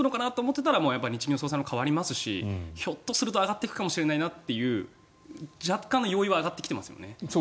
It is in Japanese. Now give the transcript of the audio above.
ずっとこれが続くのかなと思っていたら日銀の総裁も代わりますしひょっとしたら上がっていくかもしれないなという若干の要因は上がってきてますよね。